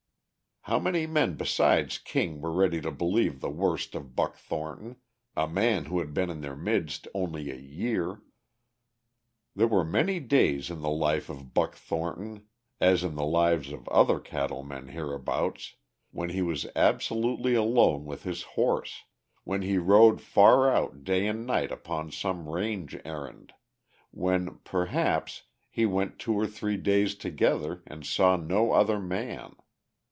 How many men besides King were ready to believe the worst of Buck Thornton, a man who had been in their midst only a year? There were many days in the life of Buck Thornton as in the lives of other cattle men hereabouts when he was absolutely alone with his horse, when he rode far out day and night upon some range errand, when, perhaps, he went two or three days together and saw no other man.